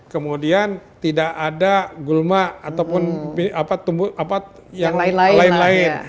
kemudian tidak ada gulma ataupun yang lain lain